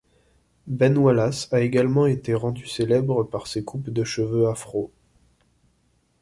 Ben Wallace a également été rendu célèbre de par ses coupes de cheveux afro.